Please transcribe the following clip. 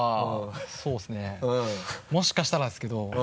そうですねもしかしたらですけど。